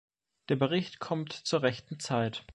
Der Bericht kommt zur rechten Zeit.